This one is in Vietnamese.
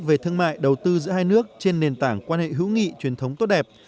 về thương mại đầu tư giữa hai nước trên nền tảng quan hệ hữu nghị truyền thống tốt đẹp